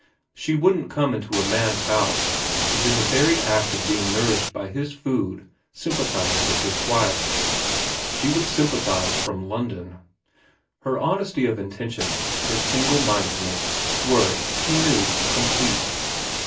She wouldn't come into a man's house, and in the very act of being nourished by his food sympathise with his wife ; she would sympathise from London. Her honesty of intention, her single mindedness, were, she knew, com plete.